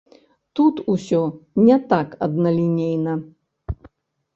Тут ўсё не так адналінейна.